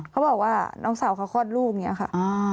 เขาบอกว่าน้องสาวเขาคลอดลูกอย่างนี้ค่ะ